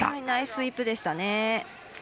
ナイススイープでしたね。